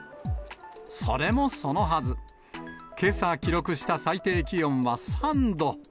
それもそのはず、けさ記録した最低気温は３度。